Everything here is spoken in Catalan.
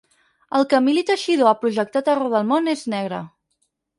El que Emili Teixidor ha projectat arreu del món és negre.